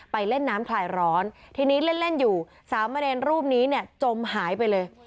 ไปเล่นน้ำข่ายร้อนทีนี้เล่นอยู่๓มะเนรูปนี้จมหายไปเลย